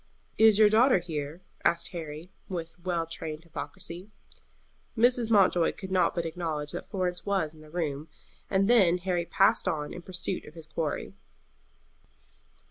"Is your daughter here?" asked Harry, with well trained hypocrisy. Mrs. Mountjoy could not but acknowledge that Florence was in the room, and then Harry passed on in pursuit of his quarry.